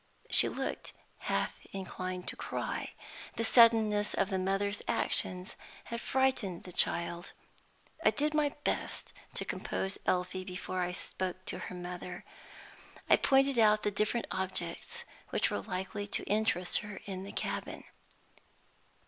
She looked half inclined to cry; the suddenness of the mother's action had frightened the child. I did my best to compose Elfie before I spoke to her mother. I pointed out the different objects which were likely to interest her in the cabin.